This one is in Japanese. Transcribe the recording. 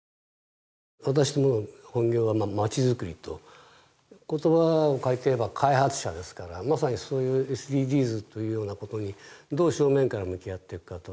私どもの本業はまちづくりと言葉を換えて言えば開発者ですからまさにそういうＳＤＧｓというようなことにどう正面から向き合っていくかと。